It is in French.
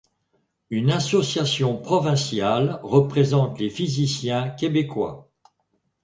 Une association provinciale représente les physiciens québécois.